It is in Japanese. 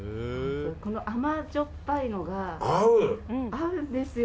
甘じょっぱいのが合うんですよ。